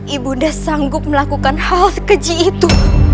ibunda sanggup melakukan hal keji itu